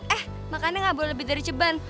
eh makannya nggak boleh lebih dari jeban